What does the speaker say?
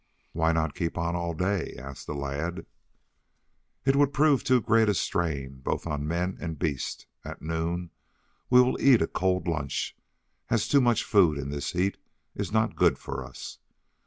"Why not keep on all day?" asked the lad. "It would prove too great a strain both on man and beast. At noon we will eat a cold lunch, as too much food in this heat is not good for us.